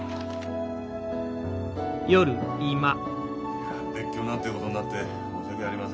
いや別居なんてことになって申し訳ありません。